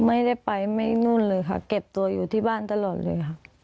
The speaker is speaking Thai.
ไม่ได้ไปไม่นู่นเลยค่ะเก็บตัวอยู่ที่บ้านตลอดเลยค่ะ